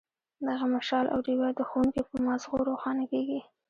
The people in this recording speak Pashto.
دغه مشال او ډیوه د ښوونکي په مازغو روښانه کیږي.